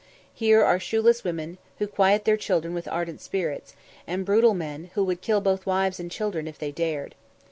Here are shoeless women, who quiet their children with ardent spirits, and brutal men, who would kill both wives and children if they dared.